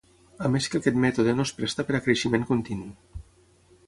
A més que aquest mètode no es presta per a creixement continu.